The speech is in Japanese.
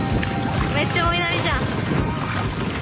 めっちゃ追い波じゃん。